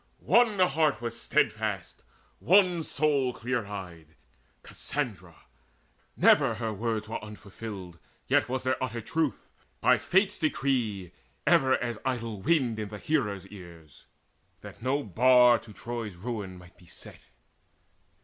One heart was steadfast, and one soul clear eyed, Cassandra. Never her words were unfulfilled; Yet was their utter truth, by Fate's decree, Ever as idle wind in the hearers' ears, That no bar to Troy's ruin might be set.